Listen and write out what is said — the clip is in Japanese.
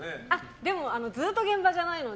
でもずっと現場じゃないので。